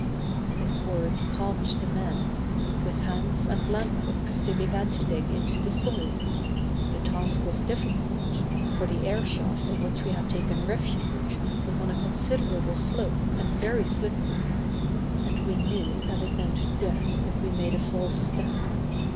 His words calmed the men. With hands and lamphooks they began to dig into the soil. The task was difficult, for the airshaft in which we had taken refuge was on a considerable slope and very slippery. And we knew that it meant death if we made a false step.